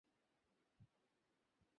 আর মণিগুলো কোথায় পাব?